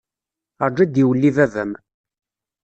Rju ad d-iwelli baba-m.